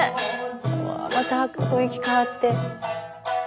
うわまた雰囲気変わって。